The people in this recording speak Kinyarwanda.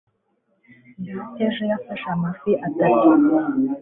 data ejo yafashe amafi atatu